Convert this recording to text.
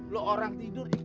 lu orang tidur